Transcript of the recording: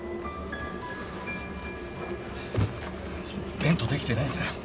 ベントできてないんだ